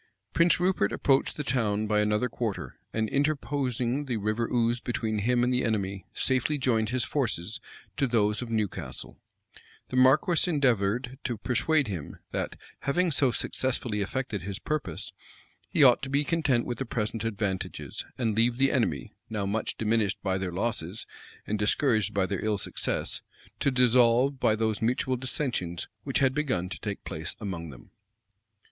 Prince Rupert approached the town by another quarter, and, interposing the River Ouse between him and the enemy, safely joined his forces to those of Newcastle. The marquis endeavored to persuade him, that, having so successfully effected his purpose, he ought to be content with the present advantages, and leave the enemy, now much diminished by their losses, and discouraged by their ill success, to dissolve by those mutual dissensions which had begun to take place among them.